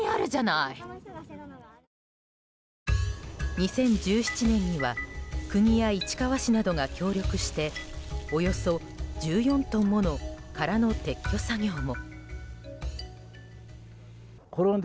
２０１７年には国や市川市などが協力しておよそ１４トンもの殻の撤去作業も。